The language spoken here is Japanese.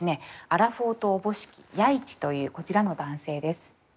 アラフォーとおぼしき弥一というこちらの男性です。